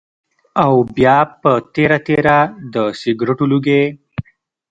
او بيا پۀ تېره تېره د سګرټو لوګی